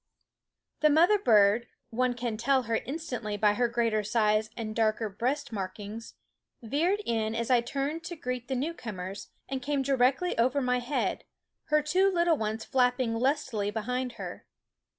99 9 SCHOOL OF The mother bird one can tell her f 100 instantly by her greater size and darker breast markings veered in as I turned to greet the newcomers, and came directly over my head, her two little ones flapping lustily behind her.